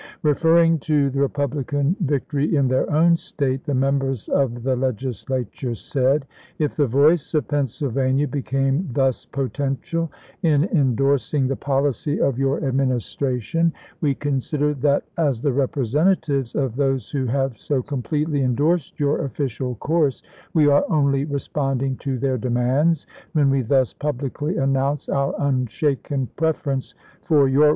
Eef erring to the Republican victory in their own State, the mem bers of the Legislature said :" If the voice of Penn sylvania became thus potential in indorsing the policy of your Administration, we consider that, as the representatives of those who have so com pletely indorsed your official course, we are only responding to their demands when we thus pub licly announce our unshaken preference for your 54 ABKAHAM LINCOLN chap. in.